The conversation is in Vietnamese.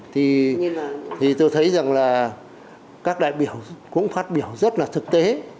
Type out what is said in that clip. thì tôi thấy rằng là các đại biểu cũng phát biểu rất là thực tế